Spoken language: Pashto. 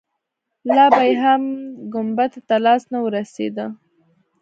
لا به يې هم ګنبدې ته لاس نه وررسېده.